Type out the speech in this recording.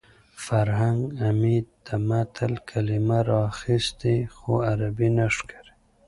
فرهنګ عمید د متل کلمه راخیستې خو عربي نه ښکاري